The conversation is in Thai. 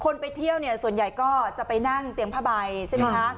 ไปเที่ยวเนี่ยส่วนใหญ่ก็จะไปนั่งเตียงผ้าใบใช่ไหมคะ